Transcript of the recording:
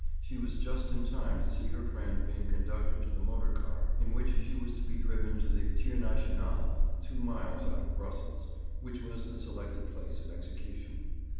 She was just in time to see her friend being conducted to the motor car in which she was to be driven to the Tir National, two miles out of Brussels, which was the selected place of execution.